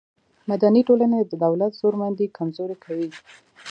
مدني ټولنې د دولت زورمندي کمزورې کوي.